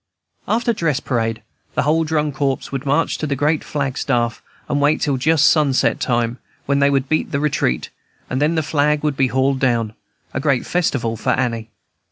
After dress parade the whole drum corps would march to the great flag staff, and wait till just sunset time, when they would beat "the retreat," and then the flag would be hauled down, a great festival for Annie.